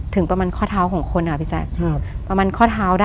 ถึงประมาณข้อเท้าของคนอ่ะพี่แจ๊คประมาณข้อเท้าได้